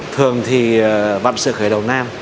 thường thì vặn sự khởi đầu nam